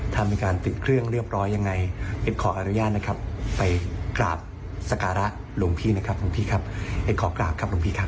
ทำการติดเครื่องเรียบร้อยยังไงขออนุญาตนะครับไปกราบสการะหลวงพี่นะครับคุณพี่ครับขอบครับครับคุณพี่ครับ